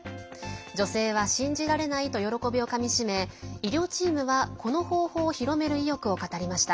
女性は、信じられないと喜びをかみしめ医療チームは、この方法を広める意欲を語りました。